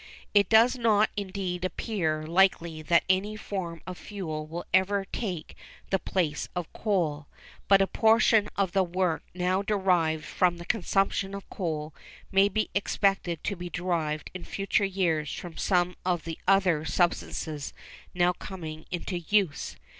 It does not indeed appear likely that any form of fuel will ever take the place of coal; but a portion of the work now derived from the consumption of coal may be expected to be derived in future years from some of the other substances now coming into use.